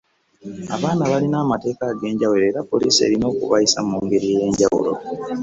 Abaana balina amateeka agenjawulo era poliisi erina okubayisa mu ngeri eyenjawulo.